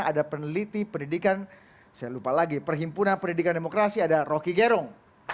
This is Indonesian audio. ada peneliti pendidikan saya lupa lagi perhimpunan pendidikan demokrasi ada rocky gerung